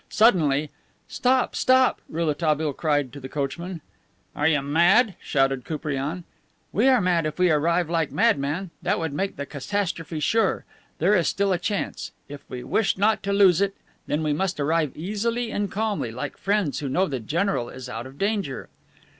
Suddenly, "Stop, stop!" Rouletabille cried to the coachman. "Are you mad!" shouted Koupriane. "We are mad if we arrive like madmen. That would make the catastrophe sure. There is still a chance. If we wish not to lose it, then we must arrive easily and calmly, like friends who know the general is out of danger."